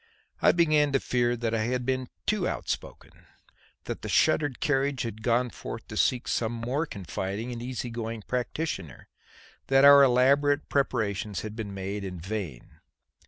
I began to fear that I had been too outspoken; that the shuttered carriage had gone forth to seek some more confiding and easy going practitioner, and that our elaborate preparations had been made in vain.